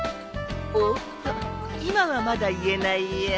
おおっと今はまだ言えないよ。